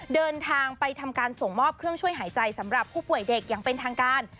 เดินทางไปทำการส่งมอบเครื่องช่วยหายใจสำหรับผู้ป่วยเด็กอย่างเป็นทางการ